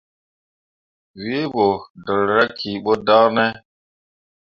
Wǝǝ ɓo jerra ki ɓo dan ne ?